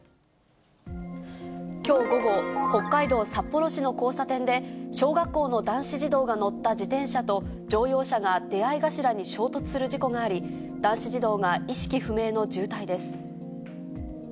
きょう午後、北海道札幌市の交差点で、小学校の男子児童が乗った自転車と、乗用車が出合い頭に衝突する事故があり、男子児童は意識不明の重体です。